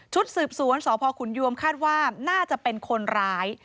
สืบสวนสพขุนยวมคาดว่าน่าจะเป็นคนร้าย